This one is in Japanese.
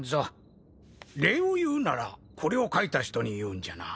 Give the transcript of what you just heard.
礼を言うならこれを書いた人に言うんじゃな。